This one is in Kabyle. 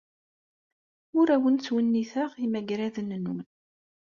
Ur awen-ttwenniteɣ imagraden-nwen.